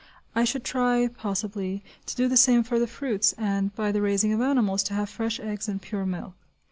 I should try, possibly, to do the same for the fruits, and, by the raising of animals, to have fresh eggs and pure milk.